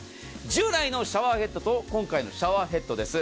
従来のシャワーヘッドと今回のシャワーヘッドです。